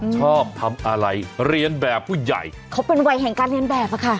ชอบทำอะไรเรียนแบบผู้ใหญ่เขาเป็นวัยแห่งการเรียนแบบอะค่ะ